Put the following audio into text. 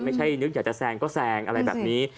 นึกอยากจะแซงก็แซงอะไรแบบนี้